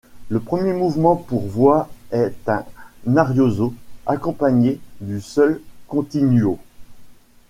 Le premier mouvement pour voix est un arioso accompagné du seul continuo.